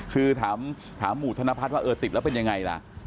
คือถามหมู่ธนพัฒน์ว่าเออติดแล้วเป็นยังไงล่ะ